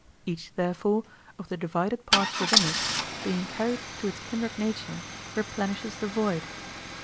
Each, therefore, of the divided parts within us, being carried to its kindred nature, replenishes the void.